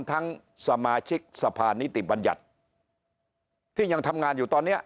ทั้งสมาชิกสภานิติบัญญัติที่ยังทำงานอยู่ตอนเนี้ย